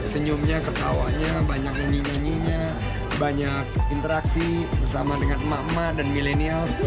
senyumnya ketawanya banyak nyanyi nyanyinya banyak interaksi bersama dengan emak emak dan milenial